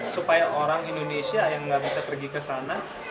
supaya orang indonesia yang nggak bisa pergi ke sana